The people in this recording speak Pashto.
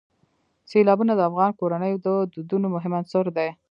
سیلابونه د افغان کورنیو د دودونو مهم عنصر دی.